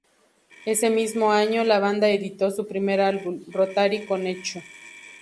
Ese mismo año la banda editó su primer álbum "Rotary connection".